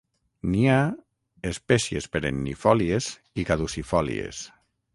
N'hi ha espècies perennifòlies i caducifòlies.